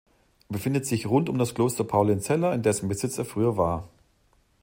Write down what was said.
Er befindet sich rund um das Kloster Paulinzella, in dessen Besitz er früher war.